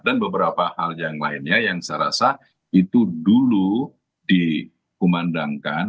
dan beberapa hal yang lainnya yang saya rasa itu dulu dikumanandangkan